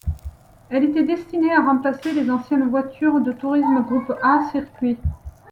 Elle était destinée à remplacer les anciennes voitures de tourisme Groupe A circuit.